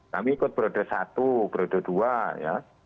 kami ikut periode satu periode dua ya